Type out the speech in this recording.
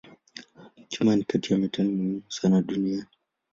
Chuma ni kati ya metali muhimu sana duniani.